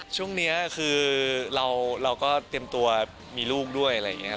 ช่วงนี้คือเราก็เตรียมตัวมีลูกด้วยอะไรอย่างนี้ครับ